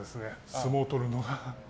相撲を取るのが。